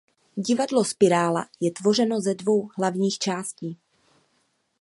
Divadlo Spirála je tvořeno ze dvou hlavních částí.